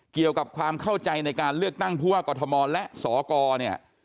เกี่ยวกับความเข้าใจในการเลือกตั้งผู้ว่ากอทมและสกเนี่ย